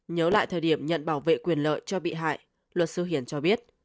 nhớ lại thời điểm nhận bảo vệ quyền lợi cho bị hại luật sư hiển cho biết